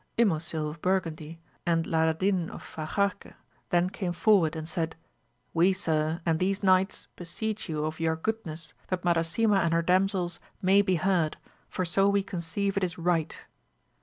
Ymosil of Burgundy, and Ladadin of Fa jarque then came forward and said. We, sir, and these knights beseech you of your goodness that Madasima and her damsels may be heard, for so we conceive it is right.